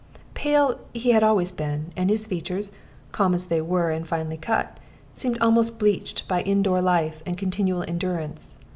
Pale he had always been, and his features (calm as they were, and finely cut) seemed almost bleached by in door life and continual endurance.